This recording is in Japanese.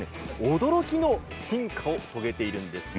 めだかが驚きの進化を遂げているんです。